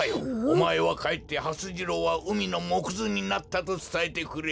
おまえはかえってはす次郎はうみのもくずになったとつたえてくれ。